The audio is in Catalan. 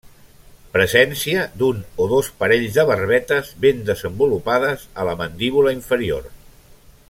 Presència d'un o dos parells de barbetes ben desenvolupades a la mandíbula inferior.